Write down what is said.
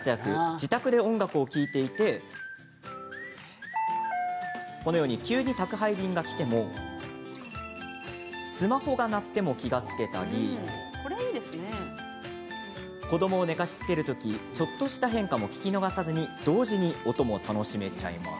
自宅で音楽を聴いていてインターフォンの音急に宅配便が来てもスマホが鳴っても気が付けたり子どもを寝かしつける時ちょっとした変化も聞き逃さずに同時に音も楽しめちゃいます。